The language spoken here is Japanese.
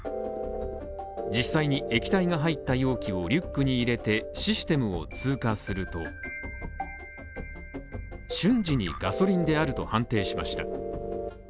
実際に液体が入った容器をリュックに入れてシステムを通過すると瞬時にガソリンであると判定しました